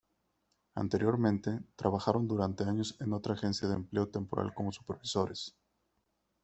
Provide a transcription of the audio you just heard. Anteriormente, trabajaron durante años en otra agencia de empleo temporal como supervisores.